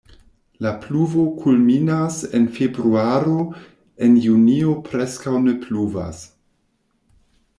La pluvo kulminas en februaro, en junio preskaŭ ne pluvas.